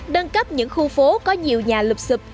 đơn cấp những khu phố có nhiều nhà lụp sụp